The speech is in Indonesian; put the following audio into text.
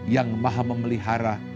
yang maha memelihara